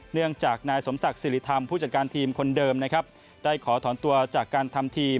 เนื่องจากนายสมศักดิ์สิริธรรมผู้จัดการทีมคนเดิมนะครับได้ขอถอนตัวจากการทำทีม